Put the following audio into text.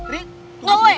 rik tunggu sebentar